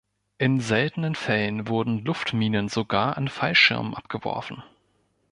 In seltenen Fällen wurden Luftminen sogar an Fallschirmen abgeworfen.